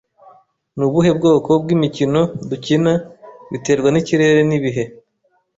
Ni ubuhe bwoko bw'imikino dukina biterwa nikirere n'ibihe.